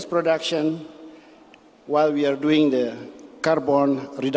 sedangkan kami mencari reduksi karbon